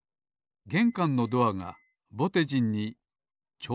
げんかんのドアがぼてじんにちょうどのサイズ。